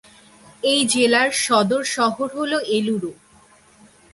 এই জেলার সদর শহর হল এলুরু।